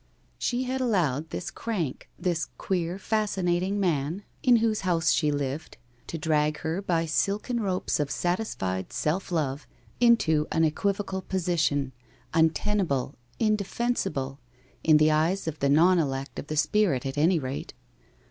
She had 160 WHITE ROSE OF WEARY LEAF allowed this crank, this queer fascinating man, in whose house she lived, to drag her by silken ropes of satisfied self love into an equivocal position, untenable, indefensible, in the eyes of the non elect of the spirit at any rate.